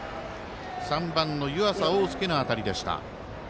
３番の湯浅桜翼の当たりでした。